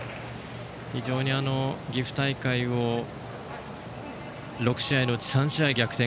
岐阜大会を６試合のうち３試合逆転